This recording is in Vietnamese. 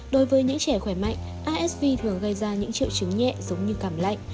đối với những trẻ khỏe mạnh asv thường gây ra những triệu chứng nhẹ giống như cảm lạnh